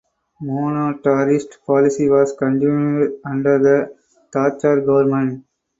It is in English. Monetarist policy was continued under the Thatcher government.